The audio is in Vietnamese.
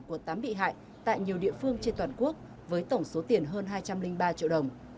của tám bị hại tại nhiều địa phương trên toàn quốc với tổng số tiền hơn hai trăm linh ba triệu đồng